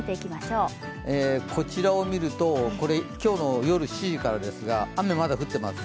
こちらを見ると、今日の夜７時からですが雨、まだ降ってます